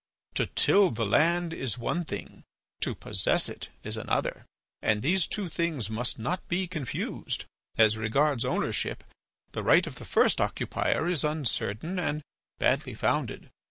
To till the land is one thing, to possess it is another, and these two things must not be confused; as regards ownership the right of the first occupier is uncertain and badly founded.